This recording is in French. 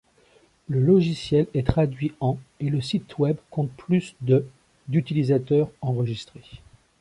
Le logiciel est traduit en et le site web compte plus de d’utilisateurs enregistrés.